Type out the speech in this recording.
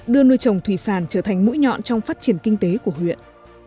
đưa nuôi trồng thủy sản trở thành mũi nhọn trong phát triển kinh tế của huyện